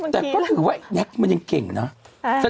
แต่ก็ถือว่าแน็กมันยังเก่งนะ